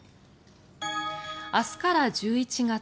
明日から１１月。